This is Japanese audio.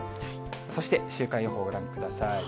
そして週間予報ご覧ください。